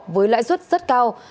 với lãi suất rất cao